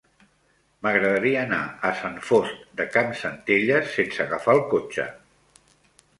M'agradaria anar a Sant Fost de Campsentelles sense agafar el cotxe.